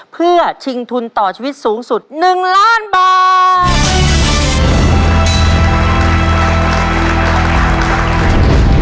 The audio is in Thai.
เพื่อชิงทุนต่อชีวิตสูงสุด๑ล้านบาท